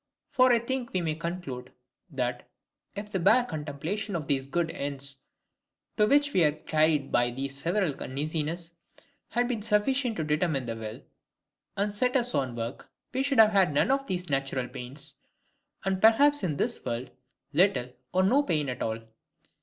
For I think we may conclude, that, if the BARE CONTEMPLATION of these good ends to which we are carried by these several uneasinesses had been sufficient to determine the will, and set us on work, we should have had none of these natural pains, and perhaps in this world little or no pain at all.